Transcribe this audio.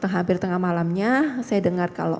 hampir tengah malamnya saya dengar kalau